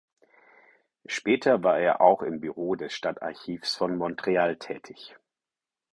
Später war er auch im Büro des Stadtarchivs von Montreal tätig.